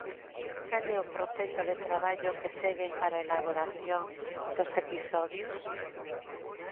Cal é o proceso de traballo que seguen para a elaboración dos episodios?